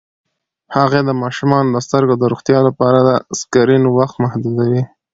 هغې د ماشومانو د سترګو د روغتیا لپاره د سکرین وخت محدودوي.